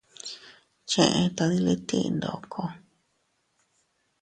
Cheʼe tadiliti ndoko.